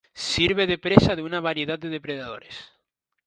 Sirve de presa de una variedad de depredadores.